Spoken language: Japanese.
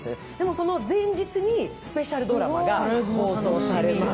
その前日にスペシャルドラマが放送されます。